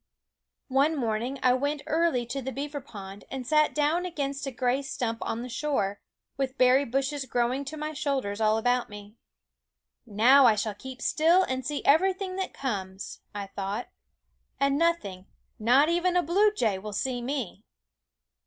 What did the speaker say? F t THE WOODS One morning I went early to the beaver pond and sat down against a gray stump Q ,, on the shore, with berry bushes growing to ^JKeen Eyed my shoulders all about me. " Now I shall keep still and see everything that comes," I thought, " and nothing, not even a blue jay, will see me."